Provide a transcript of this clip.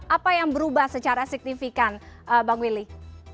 apa yang berubah secara signifikan bang willy